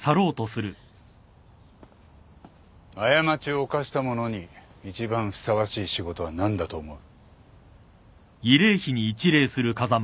過ちを犯した者に一番ふさわしい仕事は何だと思う？